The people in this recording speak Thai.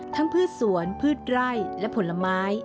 พืชสวนพืชไร่และผลไม้